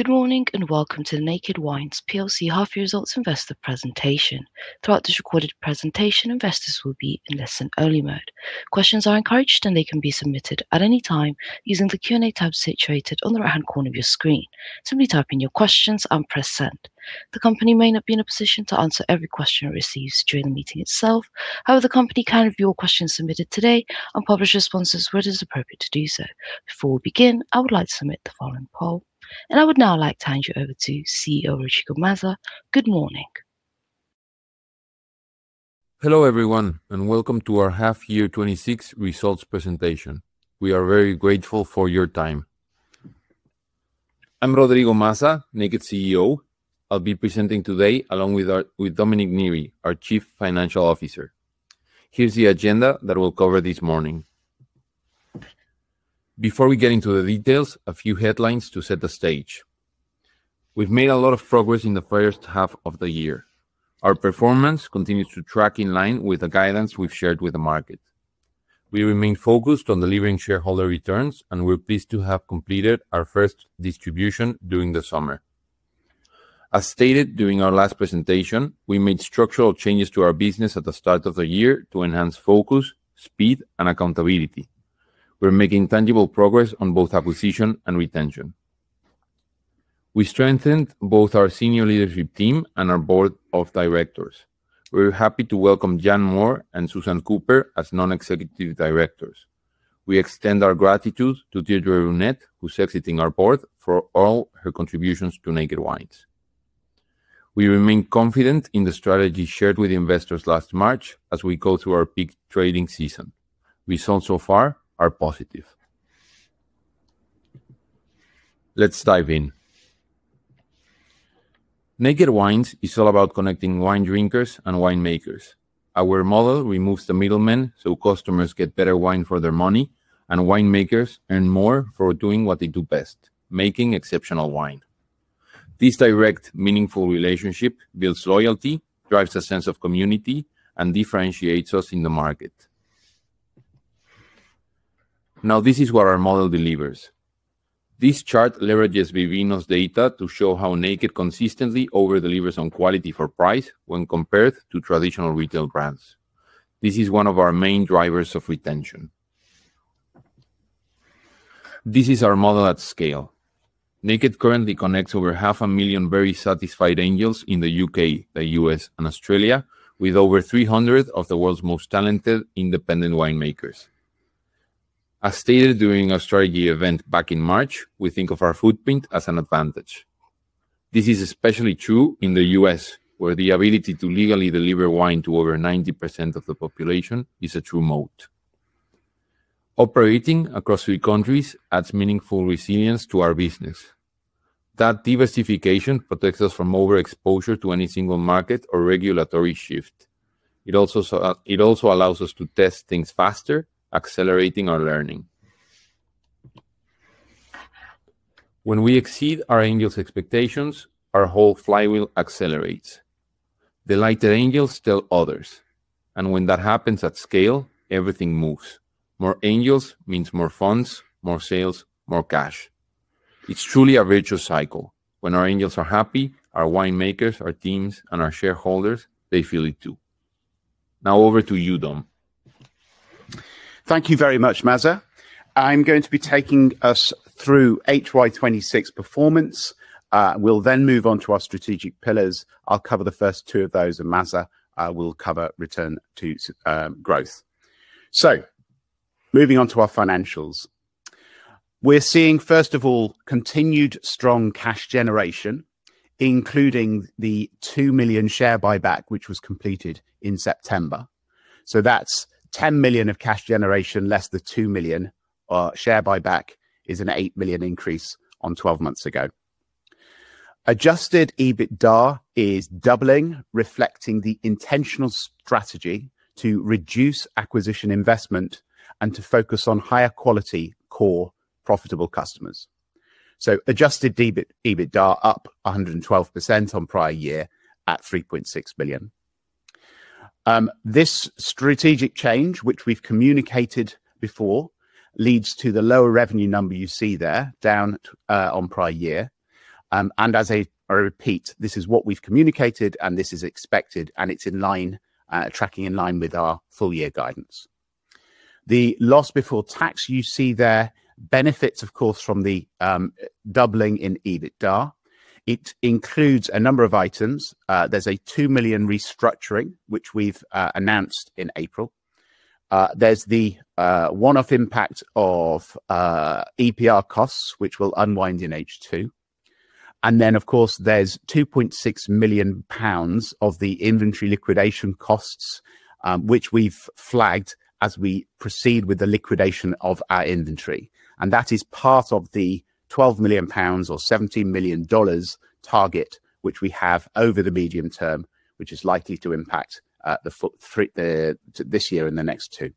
Good morning and welcome to the Naked Wines plc half-year results investor presentation. Throughout this recorded presentation, investors will be in listen-only mode. Questions are encouraged, and they can be submitted at any time using the Q&A tab situated on the right-hand corner of your screen. Simply type in your questions and press send. The company may not be in a position to answer every question it receives during the meeting itself; however, the company can review all questions submitted today and publish responses where it is appropriate to do so. Before we begin, I would like to submit the following poll, and I would now like to hand you over to CEO Rodrigo Maza. Good morning. Hello everyone, and welcome to our half-year 2026 results presentation. We are very grateful for your time. I'm Rodrigo Maza, Naked CEO. I'll be presenting today along with Dominic Neary, our Chief Financial Officer. Here's the agenda that we'll cover this morning. Before we get into the details, a few headlines to set the stage. We've made a lot of progress in the first half of the year. Our performance continues to track in line with the guidance we've shared with the market. We remain focused on delivering shareholder returns, and we're pleased to have completed our first distribution during the summer. As stated during our last presentation, we made structural changes to our business at the start of the year to enhance focus, speed, and accountability. We're making tangible progress on both acquisition and retention. We strengthened both our senior leadership team and our board of directors. We're happy to welcome Jan Mohr and Susan Cooper as non-executive directors. We extend our gratitude to Deirdre Runnette, who's exiting our board for all her contributions to Naked Wines. We remain confident in the strategy shared with investors last March as we go through our peak trading season. Results so far are positive. Let's dive in. Naked Wines is all about connecting wine drinkers and winemakers. Our model removes the middleman so customers get better wine for their money, and winemakers earn more for doing what they do best: making exceptional wine. This direct, meaningful relationship builds loyalty, drives a sense of community, and differentiates us in the market. Now, this is what our model delivers. This chart leverages Vivino's data to show how Naked consistently overdelivers on quality for price when compared to traditional retail brands. This is one of our main drivers of retention. This is our model at scale. Naked currently connects over 0.5 million very satisfied Angels in the U.K., the U.S., and Australia, with over 300 of the world's most talented independent winemakers. As stated during our strategy event back in March, we think of our footprint as an advantage. This is especially true in the U.S., where the ability to legally deliver wine to over 90% of the population is a true moat. Operating across three countries adds meaningful resilience to our business. That diversification protects us from overexposure to any single market or regulatory shift. It also allows us to test things faster, accelerating our learning. When we exceed our Angels' expectations, our whole flywheel accelerates. The delighter Angels tell others, and when that happens at scale, everything moves. More Angels means more funds, more sales, more cash. It's truly a virtuous cycle. When our Angels are happy, our winemakers, our teams, and our shareholders, they feel it too. Now, over to you, Dom. Thank you very much, Maza. I'm going to be taking us through HY 2026 performance. We'll then move on to our strategic pillars. I'll cover the first two of those, and Maza will cover return to growth. So, moving on to our financials. We're seeing, first of all, continued strong cash generation, including the two million share buyback, which was completed in September. So that's 10 million of cash generation less the two million share buyback, is an eight million increase on 12 months ago. Adjusted EBITDA is doubling, reflecting the intentional strategy to reduce acquisition investment and to focus on higher quality core profitable customers. So, adjusted EBITDA up 112% on prior year at 3.6 million. This strategic change, which we've communicated before, leads to the lower revenue number you see there, down on prior year. And as I repeat, this is what we've communicated, and this is expected, and it's in line, tracking in line with our full year guidance. The loss before tax you see there benefits, of course, from the doubling in EBITDA. It includes a number of items. There's a 2 million restructuring, which we've announced in April. There's the one-off impact of EPR costs, which will unwind in H2. And then, of course, there's 2.6 million pounds of the inventory liquidation costs, which we've flagged as we proceed with the liquidation of our inventory. And that is part of the 12 million pounds or $17 million target, which we have over the medium term, which is likely to impact this year and the next two.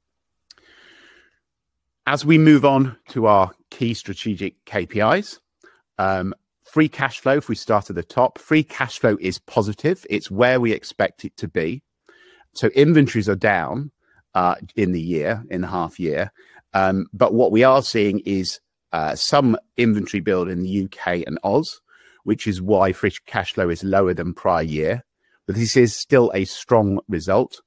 As we move on to our key strategic KPIs, free cash flow, if we start at the top, free cash flow is positive. It's where we expect it to be. So, inventories are down in the year, in the half year. But what we are seeing is some inventory build in the U.K. and Oz, which is why free cash flow is lower than prior year. But this is still a strong result,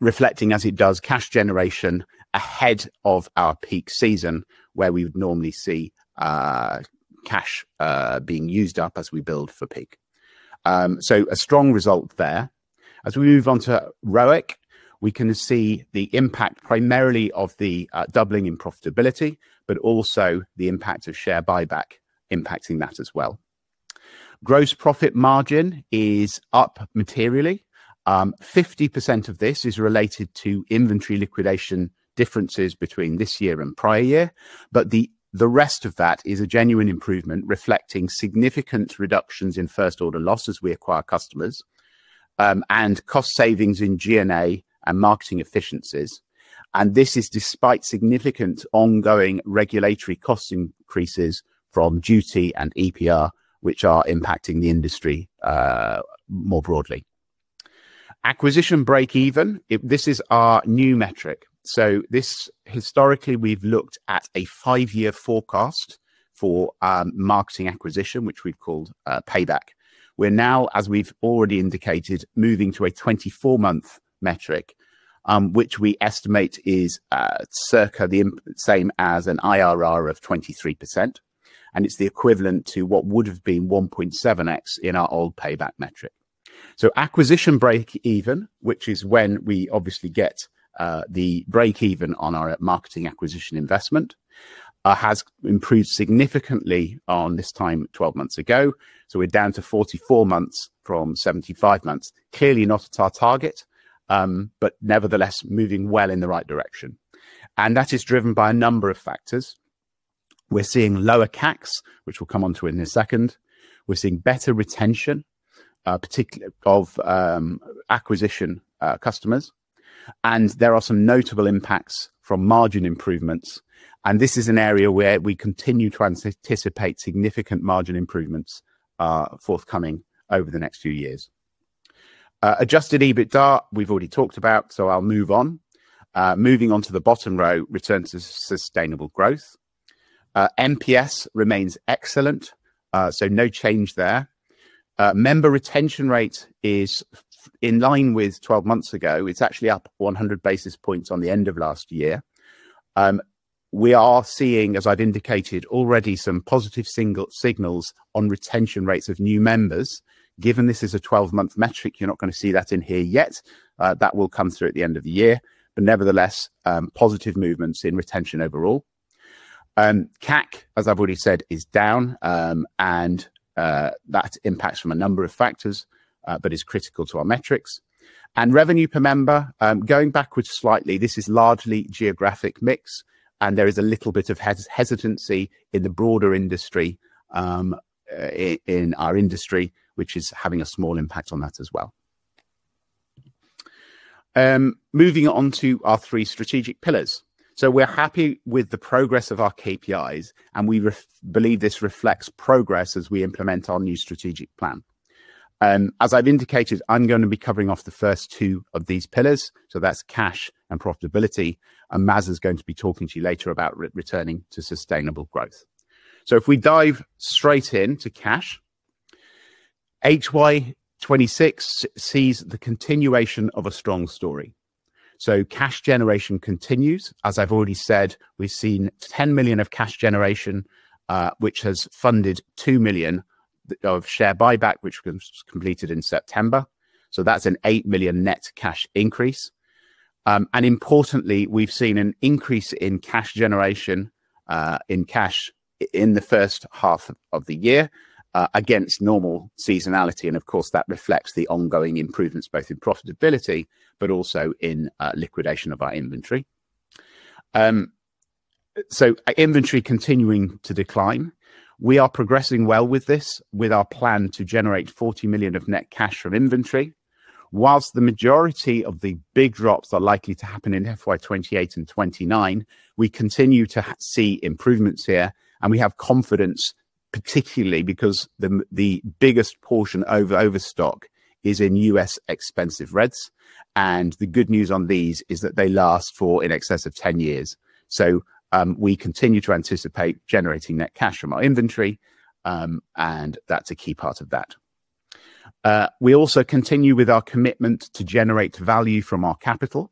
reflecting, as it does, cash generation ahead of our peak season, where we would normally see cash being used up as we build for peak. So, a strong result there. As we move on to ROIC, we can see the impact primarily of the doubling in profitability, but also the impact of share buyback impacting that as well. Gross profit margin is up materially. 50% of this is related to inventory liquidation differences between this year and prior year. But the rest of that is a genuine improvement, reflecting significant reductions in first-order loss as we acquire customers and cost savings in G&A and marketing efficiencies. And this is despite significant ongoing regulatory cost increases from duty and EPR, which are impacting the industry more broadly. Acquisition break-even, this is our new metric. So, this historically, we've looked at a five-year forecast for marketing acquisition, which we've called payback. We're now, as we've already indicated, moving to a 24-month metric, which we estimate is circa the same as an IRR of 23%. And it's the equivalent to what would have been 1.7x in our old payback metric. So, acquisition break-even, which is when we obviously get the break-even on our marketing acquisition investment, has improved significantly on this time 12 months ago. So, we're down to 44 months from 75 months. Clearly not at our target, but nevertheless, moving well in the right direction. And that is driven by a number of factors. We're seeing lower CACs, which we'll come on to in a second. We're seeing better retention, particularly of acquisition customers. And there are some notable impacts from margin improvements. And this is an area where we continue to anticipate significant margin improvements forthcoming over the next few years. Adjusted EBITDA, we've already talked about, so I'll move on. Return to Sustainable Growth. nps remains excellent, so no change there. Member retention rate is in line with 12 months ago. It's actually up 100 basis points on the end of last year. We are seeing, as I've indicated already, some positive signals on retention rates of new members. Given this is a 12-month metric, you're not going to see that in here yet. That will come through at the end of the year, but nevertheless, positive movements in retention overall. CAC, as I've already said, is down, and that impacts from a number of factors, but is critical to our metrics, and revenue per member, going backwards slightly, this is largely geographic mix, and there is a little bit of hesitancy in the broader industry in our industry, which is having a small impact on that as well. Moving on to our three strategic pillars, we're happy with the progress of our KPIs, and we believe this reflects progress as we implement our new strategic plan. As I've indicated, I'm going to be covering off the first two of these pillars, that's cash and profitability, and Maza is going to be talking to you later about returning to sustainable growth. If we dive straight into cash, HY 2026 sees the continuation of a strong story. Cash generation continues. As I've already said, we've seen 10 million of cash generation, which has funded 2 million of share buyback, which was completed in September. That's an 8 million net cash increase. Importantly, we've seen an increase in cash generation in cash in the first half of the year against normal seasonality. Of course, that reflects the ongoing improvements both in profitability, but also in liquidation of our inventory. Inventory continuing to decline. We are progressing well with this, with our plan to generate 40 million of net cash from inventory. While the majority of the big drops are likely to happen in FY 2028 and 2029, we continue to see improvements here, and we have confidence, particularly because the biggest portion of overstock is in U.S. expensive reds. The good news on these is that they last for in excess of 10 years. We continue to anticipate generating net cash from our inventory, and that's a key part of that. We also continue with our commitment to generate value from our capital.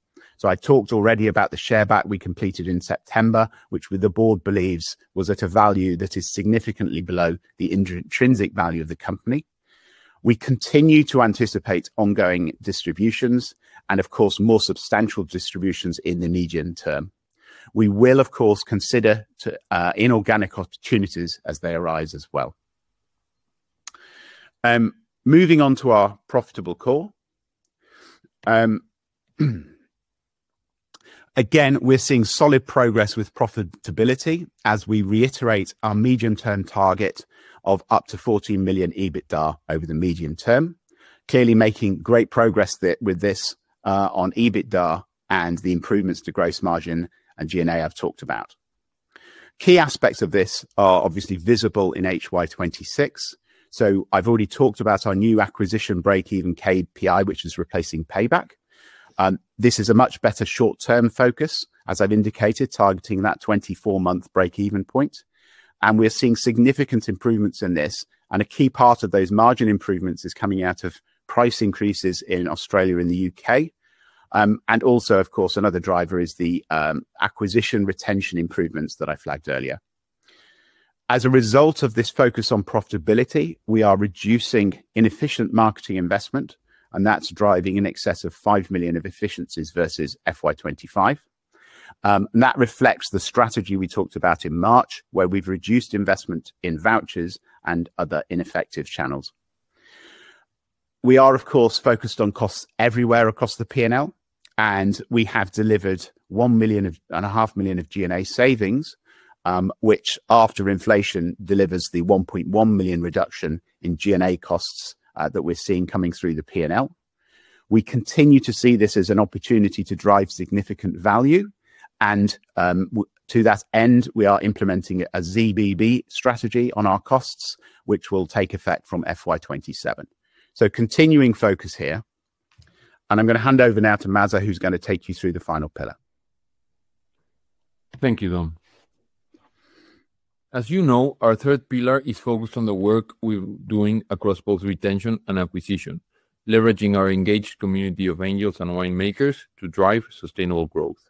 I talked already about the share buyback we completed in September, which the board believes was at a value that is significantly below the intrinsic value of the company. We continue to anticipate ongoing distributions and, of course, more substantial distributions in the medium term. We will, of course, consider inorganic opportunities as they arise as well. Moving on to our profitable core. Again, we're seeing solid progress with profitability as we reiterate our medium-term target of up to 14 million EBITDA over the medium term. Clearly making great progress with this on EBITDA and the improvements to gross margin and G&A I've talked about. Key aspects of this are obviously visible in HY 2026, so I've already talked about our new acquisition break-even KPI, which is replacing payback. This is a much better short-term focus, as I've indicated, targeting that 24-month break-even point, and we're seeing significant improvements in this, and a key part of those margin improvements is coming out of price increases in Australia and the U.K., and also, of course, another driver is the acquisition retention improvements that I flagged earlier. As a result of this focus on profitability, we are reducing inefficient marketing investment, and that's driving in excess of 5 million of efficiencies versus FY 2025, and that reflects the strategy we talked about in March, where we've reduced investment in vouchers and other ineffective channels. We are, of course, focused on costs everywhere across the P&L, and we have delivered 1.5 million of G&A savings, which, after inflation, delivers the 1.1 million reduction in G&A costs that we're seeing coming through the P&L. We continue to see this as an opportunity to drive significant value, and to that end, we are implementing a ZBB strategy on our costs, which will take effect from FY27. Continuing focus here, and I'm going to hand over now to Maza, who's going to take you through the final pillar. Thank you, Dom. As you know, our third pillar is focused on the work we're doing across both retention and acquisition, leveraging our engaged community of Angels and winemakers to drive sustainable growth.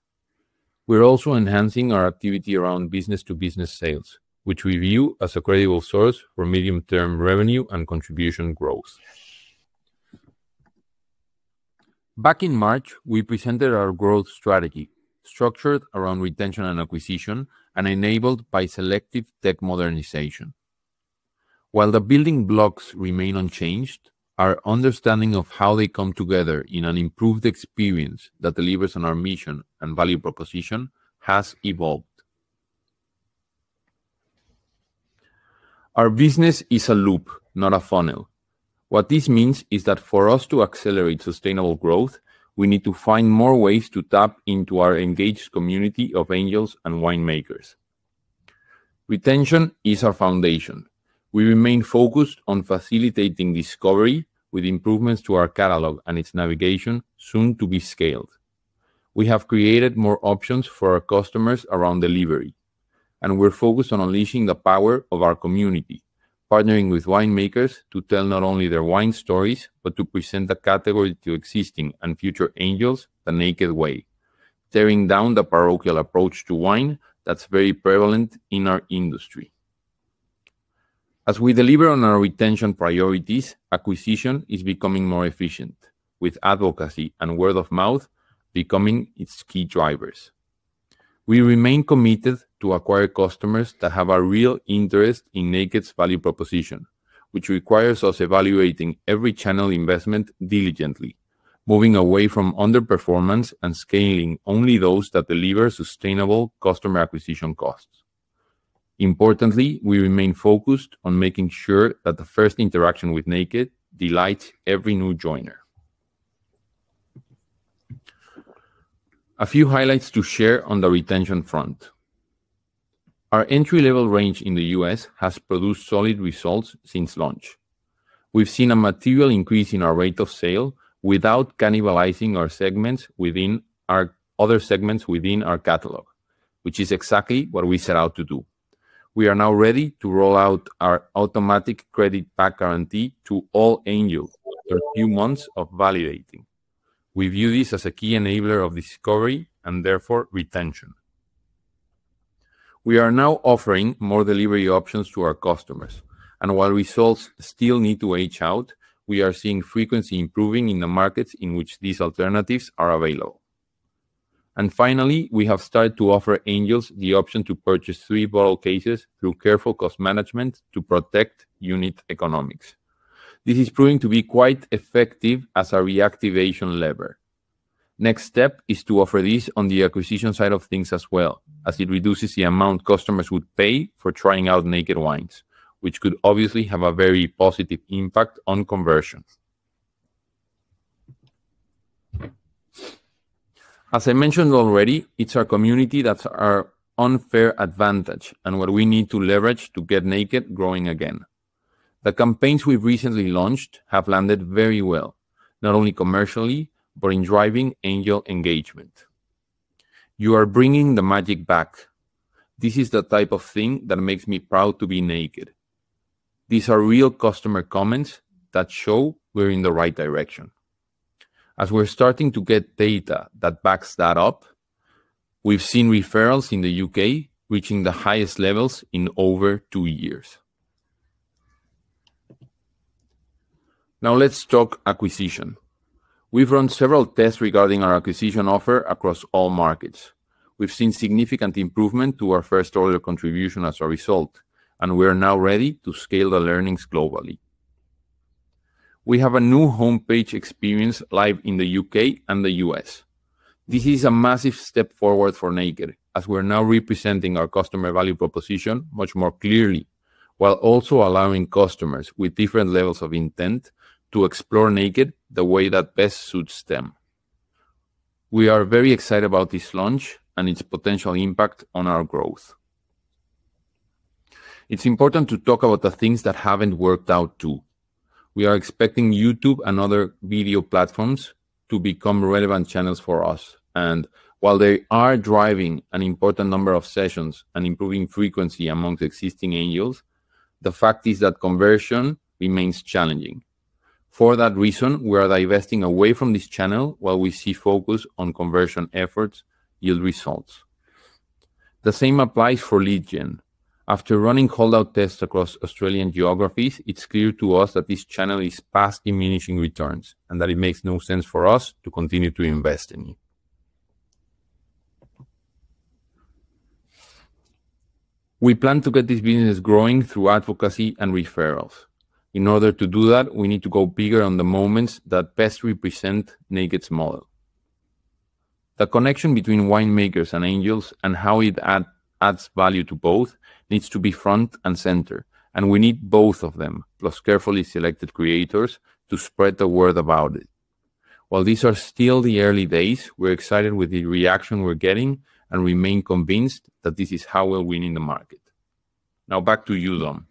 We're also enhancing our activity around business-to-business sales, which we view as a credible source for medium-term revenue and contribution growth. Back in March, we presented our growth strategy, structured around retention and acquisition and enabled by selective tech modernization. While the building blocks remain unchanged, our understanding of how they come together in an improved experience that delivers on our mission and value proposition has evolved. Our business is a loop, not a funnel. What this means is that for us to accelerate sustainable growth, we need to find more ways to tap into our engaged community of Angels and winemakers. Retention is our foundation. We remain focused on facilitating discovery with improvements to our catalog and its navigation, soon to be scaled. We have created more options for our customers around delivery, and we're focused on unleashing the power of our community, partnering with winemakers to tell not only their wine stories, but to present the category to existing and future Angels the Naked way, tearing down the parochial approach to wine that's very prevalent in our industry. As we deliver on our retention priorities, acquisition is becoming more efficient, with advocacy and word of mouth becoming its key drivers. We remain committed to acquire customers that have a real interest in Naked's value proposition, which requires us evaluating every channel investment diligently, moving away from underperformance and scaling only those that deliver sustainable customer acquisition costs. Importantly, we remain focused on making sure that the first interaction with Naked delights every new joiner. A few highlights to share on the retention front. Our entry-level range in the U.S. has produced solid results since launch. We've seen a material increase in our rate of sale without cannibalizing our other segments within our catalog, which is exactly what we set out to do. We are now ready to roll out our automatic credit-back guarantee to all Angels after a few months of validating. We view this as a key enabler of discovery and therefore retention. We are now offering more delivery options to our customers, and while results still need to age out, we are seeing frequency improving in the markets in which these alternatives are available, and finally, we have started to offer Angels the option to purchase three-bottle cases through careful cost management to protect unit economics. This is proving to be quite effective as a reactivation lever. Next step is to offer this on the acquisition side of things as well, as it reduces the amount customers would pay for trying out Naked Wines, which could obviously have a very positive impact on conversions. As I mentioned already, it's our community that's our unfair advantage and what we need to leverage to get Naked growing again. The campaigns we've recently launched have landed very well, not only commercially, but in driving Angel engagement. You are bringing the magic back. This is the type of thing that makes me proud to be Naked. These are real customer comments that show we're in the right direction. As we're starting to get data that backs that up, we've seen referrals in the U.K. reaching the highest levels in over two years. Now let's talk acquisition. We've run several tests regarding our acquisition offer across all markets. We've seen significant improvement to our first-order contribution as a result, and we are now ready to scale the learnings globally. We have a new homepage experience live in the U.K. and the U.S. This is a massive step forward for Naked, as we're now representing our customer value proposition much more clearly, while also allowing customers with different levels of intent to explore Naked the way that best suits them. We are very excited about this launch and its potential impact on our growth. It's important to talk about the things that haven't worked out too. We are expecting YouTube and other video platforms to become relevant channels for us. And while they are driving an important number of sessions and improving frequency amongst existing Angels, the fact is that conversion remains challenging. For that reason, we are divesting away from this channel while we see focus on conversion efforts yield results. The same applies for lead gen. After running holdout tests across Australian geographies, it's clear to us that this channel is past diminishing returns and that it makes no sense for us to continue to invest in it. We plan to get this business growing through advocacy and referrals. In order to do that, we need to go bigger on the moments that best represent Naked's model. The connection between winemakers and Angels and how it adds value to both needs to be front and center, and we need both of them, plus carefully selected creators, to spread the word about it. While these are still the early days, we're excited with the reaction we're getting and remain convinced that this is how we'll win in the market. Now back to you, Dom.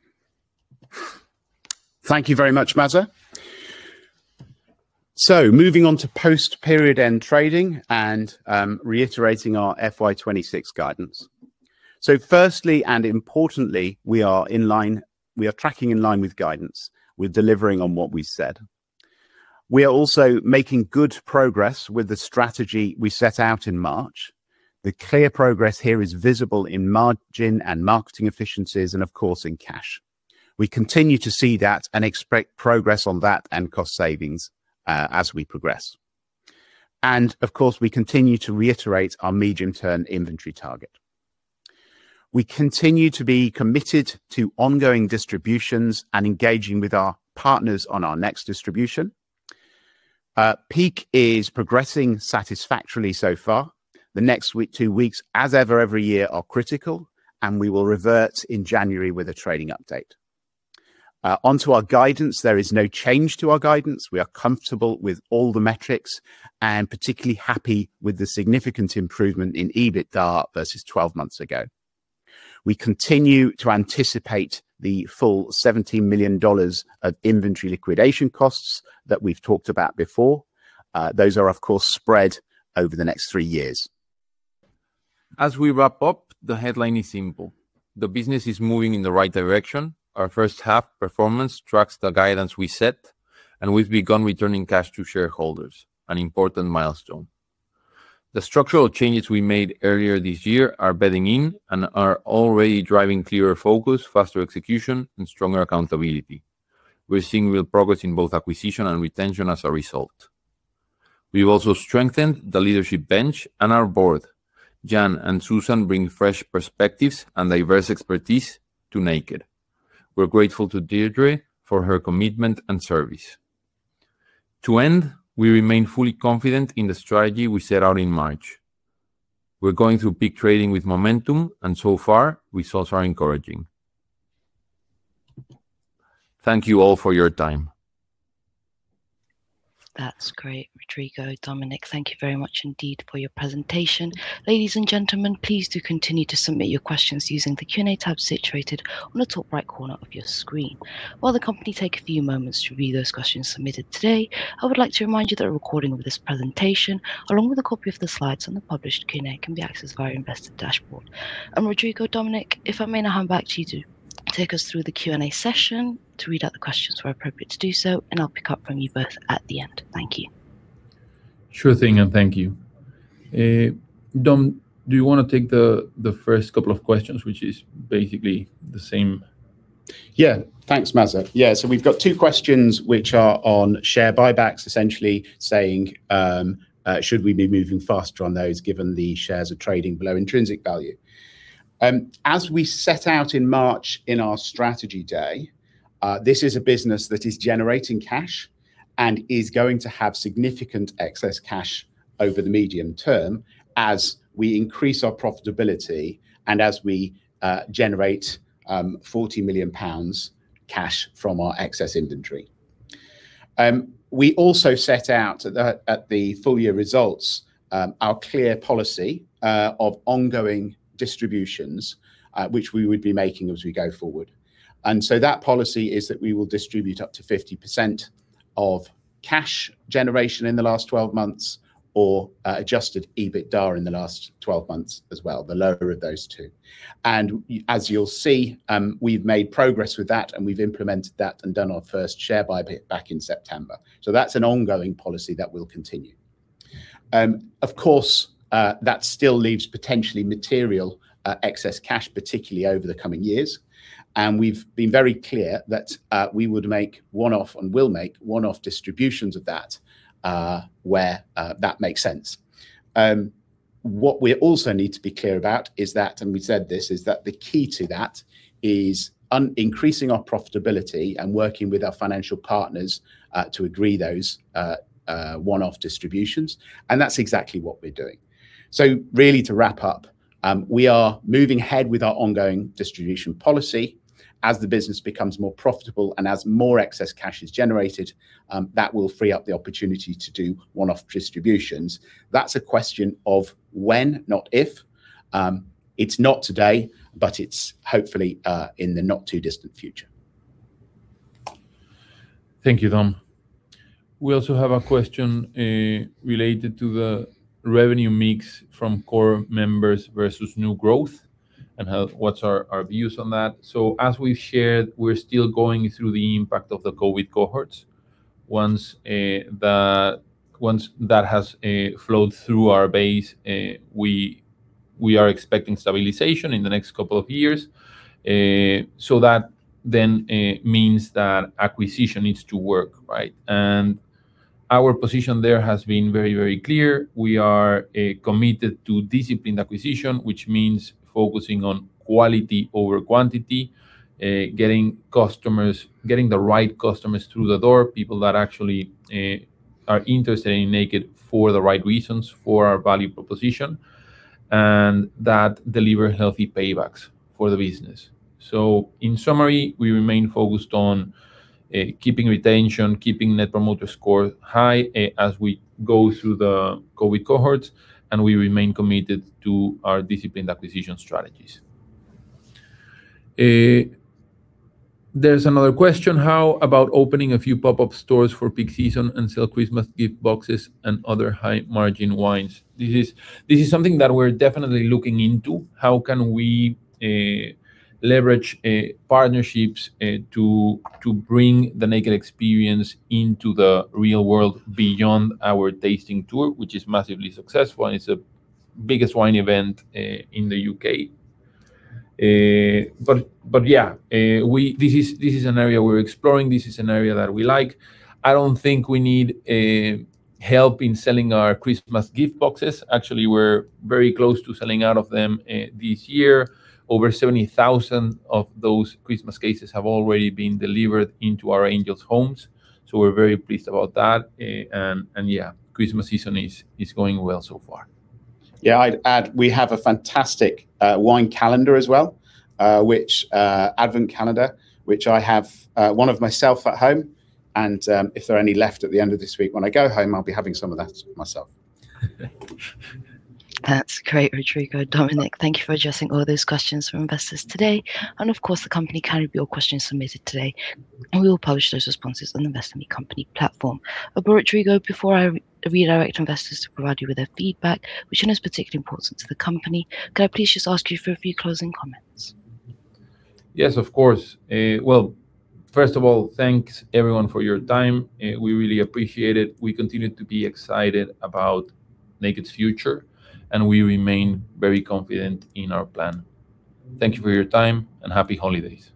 Thank you very much, Maza. Moving on to post-period end trading and reiterating our FY26 guidance. Firstly and importantly, we are in line, we are tracking in line with guidance, with delivering on what we said. We are also making good progress with the strategy we set out in March. The clear progress here is visible in margin and marketing efficiencies and, of course, in cash. We continue to see that and expect progress on that and cost savings as we progress. Of course, we continue to reiterate our medium-term inventory target. We continue to be committed to ongoing distributions and engaging with our partners on our next distribution. Peak is progressing satisfactorily so far. The next two weeks, as ever every year, are critical, and we will revert in January with a trading update. Onto our guidance, there is no change to our guidance. We are comfortable with all the metrics and particularly happy with the significant improvement in EBITDA versus 12 months ago. We continue to anticipate the full $17 million of inventory liquidation costs that we've talked about before. Those are, of course, spread over the next three years. As we wrap up, the headline is simple. The business is moving in the right direction. Our first-half performance tracks the guidance we set, and we've begun returning cash to shareholders, an important milestone. The structural changes we made earlier this year are bedding in and are already driving clearer focus, faster execution, and stronger accountability. We're seeing real progress in both acquisition and retention as a result. We've also strengthened the leadership bench and our board. Jan and Susan bring fresh perspectives and diverse expertise to Naked. We're grateful to Deirdre for her commitment and service. To end, we remain fully confident in the strategy we set out in March. We're going through peak trading with momentum, and so far, results are encouraging. Thank you all for your time. That's great, Rodrigo. Dominic, thank you very much indeed for your presentation. Ladies and gentlemen, please do continue to submit your questions using the Q&A tab situated on the top right corner of your screen. While the company takes a few moments to review those questions submitted today, I would like to remind you that a recording of this presentation, along with a copy of the slides on the published Q&A, can be accessed via our investor dashboard, and Rodrigo, Dominic, if I may now hand back to you to take us through the Q&A session to read out the questions where appropriate to do so, and I'll pick up from you both at the end. Thank you. Sure thing, and thank you. Dom, do you want to take the first couple of questions, which is basically the same? Yeah, thanks, Maza. Yeah, so we've got two questions which are on share buybacks, essentially saying, should we be moving faster on those given the shares are trading below intrinsic value? As we set out in March in our strategy day, this is a business that is generating cash and is going to have significant excess cash over the medium term as we increase our profitability and as we generate 40 million pounds cash from our excess inventory. We also set out at the full year results our clear policy of ongoing distributions, which we would be making as we go forward. And so that policy is that we will distribute up to 50% of cash generation in the last 12 months or Adjusted EBITDA in the last 12 months as well, the lower of those two. As you'll see, we've made progress with that, and we've implemented that and done our first share buyback in September. That's an ongoing policy that will continue. Of course, that still leaves potentially material excess cash, particularly over the coming years. We've been very clear that we would make one-off and will make one-off distributions of that where that makes sense. What we also need to be clear about is that, and we said this, is that the key to that is increasing our profitability and working with our financial partners to agree those one-off distributions. That's exactly what we're doing. Really, to wrap up, we are moving ahead with our ongoing distribution policy. As the business becomes more profitable and as more excess cash is generated, that will free up the opportunity to do one-off distributions. That's a question of when, not if. It's not today, but it's hopefully in the not-too-distant future. Thank you, Dom. We also have a question related to the revenue mix from core members versus new growth and what are our views on that, so as we've shared, we're still going through the impact of the COVID cohorts. Once that has flowed through our base, we are expecting stabilization in the next couple of years, so that then means that acquisition needs to work, right, and our position there has been very, very clear. We are committed to disciplined acquisition, which means focusing on quality over quantity, getting customers, getting the right customers through the door, people that actually are interested in Naked for the right reasons for our value proposition, and that deliver healthy paybacks for the business. So in summary, we remain focused on keeping retention, keeping Net Promoter Score high as we go through the COVID cohorts, and we remain committed to our disciplined acquisition strategies. There's another question: how about opening a few pop-up stores for peak season and sell Christmas gift boxes and other high-margin wines? This is something that we're definitely looking into. How can we leverage partnerships to bring the Naked experience into the real world beyond our tasting tour, which is massively successful and is the biggest wine event in the U.K.? But yeah, this is an area we're exploring. This is an area that we like. I don't think we need help in selling our Christmas gift boxes. Actually, we're very close to selling out of them this year. Over 70,000 of those Christmas cases have already been delivered into our Angels' homes. So we're very pleased about that. Yeah, Christmas season is going well so far. Yeah, we have a fantastic wine calendar as well, which Advent calendar, which I have one of myself at home, and if there are any left at the end of this week when I go home, I'll be having some of that myself. That's great, Rodrigo. Dominic, thank you for addressing all those questions from investors today. And of course, the company can't answer your questions submitted today. And we will publish those responses on the Investor Relations platform. But Rodrigo, before I redirect investors to provide you with their feedback, which is particularly important to the company, can I please just ask you for a few closing comments? Yes, of course. Well, first of all, thanks everyone for your time. We really appreciate it. We continue to be excited about Naked's future, and we remain very confident in our plan. Thank you for your time and happy holidays.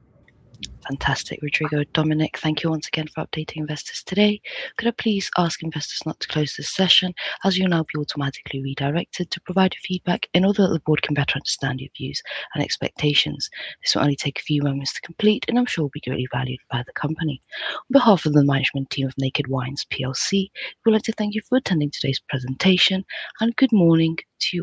Fantastic, Rodrigo. Dominic, thank you once again for updating investors today. Could I please ask investors not to close this session as you'll now be automatically redirected to provide your feedback in order that the board can better understand your views and expectations? This will only take a few moments to complete, and I'm sure it will be greatly valued by the company. On behalf of the management team of Naked Wines plc, we'd like to thank you for attending today's presentation. And good morning to.